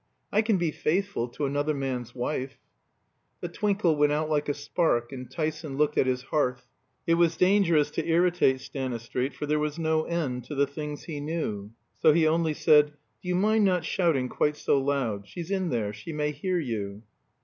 I can be faithful to another man's wife." The twinkle went out like a spark, and Tyson looked at his hearth. It was dangerous to irritate Stanistreet, for there was no end to the things he knew. So he only said, "Do you mind not shouting quite so loud. She's in there she may hear you."